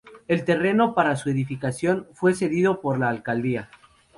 El terreno para su edificación fue cedido por la Alcaldía.